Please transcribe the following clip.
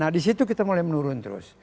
nah di situ kita mulai menurun terus